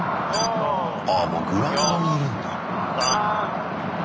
ああもうグラウンドにいるんだ。